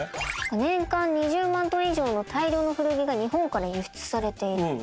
年間２０万トン以上の大量の古着が日本から輸出されている。